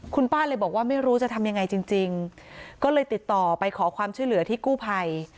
คุณป้าเลยบอกว่าไม่รู้จะทำยังไงจริงก็เลยติดต่อไปขอความช่วยเหลือที่กู้ภัย